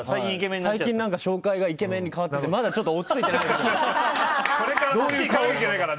最近、紹介がイケメンに変わってまだちょっとおっついていないです。